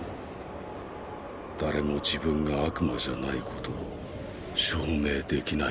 誰も自分が悪魔じゃないことを証明できないのだから。